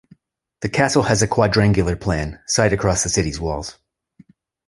The castle has a quadrangular plan, site across the city's walls.